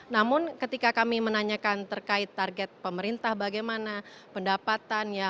namun ketika kami menanyakan terkait target pemerintah bagaimana pendapatannya